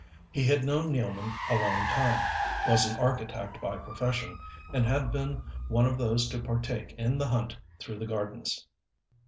He had known Nealman a long time, was an architect by profession, and had been one of those to partake in the hunt through the gardens.